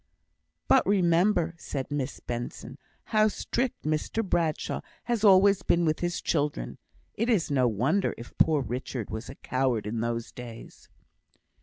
"But remember," said Mr Benson, "how strict Mr Bradshaw has always been with his children. It is no wonder if poor Richard was a coward in those days."